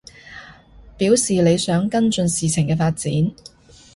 表示你想跟進事情嘅發展